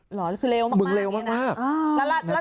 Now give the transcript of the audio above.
หรอคือเลวมากนี่นะมึงเลวมาก